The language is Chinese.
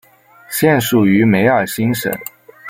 现属于梅尔辛省。